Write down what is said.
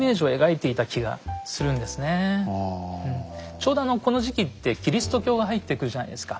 ちょうどこの時期ってキリスト教が入ってくるじゃないですか。